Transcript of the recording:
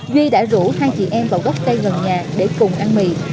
duy đã rủ hai chị em vào gốc cây gần nhà để cùng ăn mì